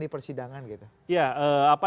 di persidangan gitu ya apa